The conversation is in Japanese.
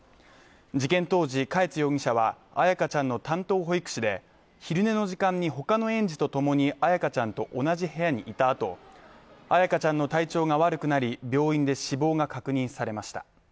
事件当時、嘉悦容疑者は彩花ちゃんの担当保育士で昼寝の時間に他の園児と共に彩花ちゃんと同じ部屋にいたあと、彩花ちゃんの体調が悪くなり、病院で死亡が確認されました。